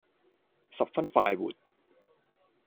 十分快活。